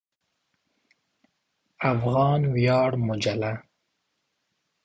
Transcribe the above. افغان ویاړ مجله